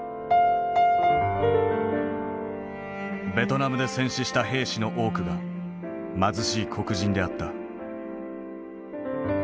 ベトナムで戦死した兵士の多くが貧しい黒人であった。